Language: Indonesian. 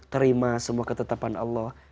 terima semua ketetapan allah